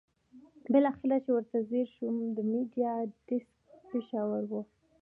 بالاخره چې ورته ځېر شوم د میډیا ډیسک مشاور وو.